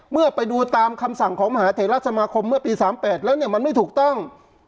เมื่อไปดูตามคำสั่งของมหาเทราสมาคมเมื่อปี๓๘แล้วเนี่ยมันไม่ถูกต้อง